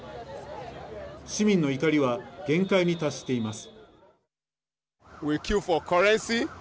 市民の怒りは限界に達しています。